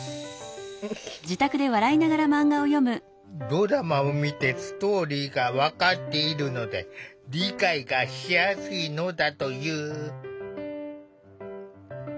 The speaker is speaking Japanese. ドラマを見てストーリーが分かっているので理解がしやすいのだという。